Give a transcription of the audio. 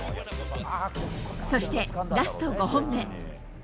そして、ラスト５本目。